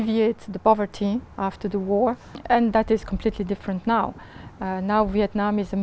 việt nam đến việt nam